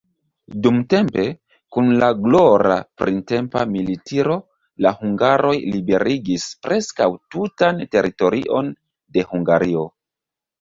Dumtempe, kun la glora printempa militiro, la hungaroj liberigis preskaŭ tutan teritorion de Hungario.